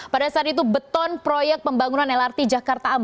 pada saat itu beton proyek pembangunan lrt jakarta